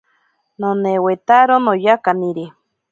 Nonewetaro noya kaniri.